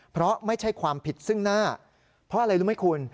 เพราะไม่ใช่ความผิดซึ่งหน้าเพราะอะไรรู้ไหมคุณ